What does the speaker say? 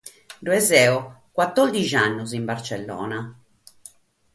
Bi so batòrdighi annos in Bartzellona.